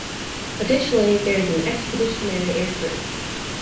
Additionally there is an expeditionary air group.